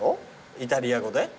イタリア語で？